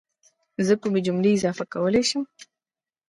زه کومې جملې اضافه کولای شم